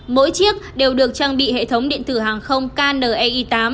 mỗi chiếc đều được trang bị hệ thống điện tử hàng không kn ei tám